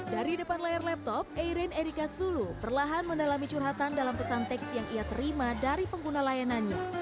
dari depan layar laptop airin erika sulu perlahan mendalami curhatan dalam pesan teks yang ia terima dari pengguna layanannya